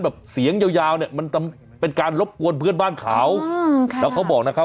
แบบเสียงยาวยาวเนี่ยมันเป็นการรบกวนเพื่อนบ้านเขาอืมค่ะแล้วเขาบอกนะครับ